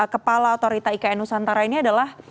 kepala otorita ikn nusantara ini adalah